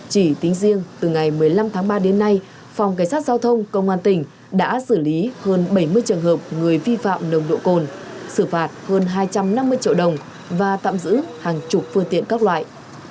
chỉ tính riêng từ ngày một mươi năm tháng ba đến nay phòng cảnh sát giao thông công an tỉnh đã xử lý hơn bảy mươi trường hợp người vi phạm nồng độ cồn xử phạt hơn hai trăm năm mươi triệu đồng và tạm giữ hàng chục phương tiện các loại